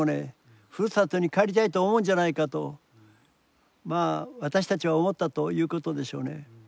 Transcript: ふるさとに帰りたいと思うんじゃないかとまあ私たちは思ったということでしょうね。